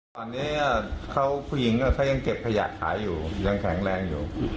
ตอนนี้เขาก็พ่อหญิง๖๕๗ด้วยเขายังเก็บขยะถ่ายอยู่ยังแข็งแรงอยู่